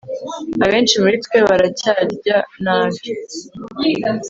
abenshi muri twe baracyarya nabi